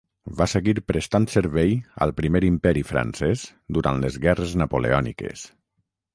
Va seguir prestant servei al Primer Imperi francès durant les Guerres napoleòniques.